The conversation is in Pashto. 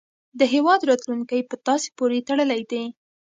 د هیواد راتلونکی په تاسې پورې تړلی دی.